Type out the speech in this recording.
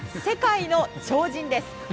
世界の超人です！